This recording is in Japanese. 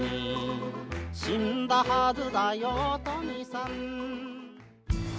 「死んだはずだよお富さん」